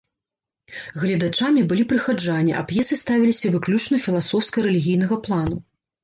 Гледачамі былі прыхаджане, а п'есы ставіліся выключна філасофска-рэлігійнага плану.